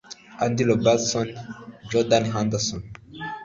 Andy Robertson; Jordan Henderson